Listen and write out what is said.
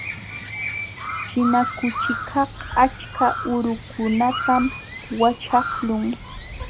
Ćhina kuchikaq achka urukunatam waćhaqlun.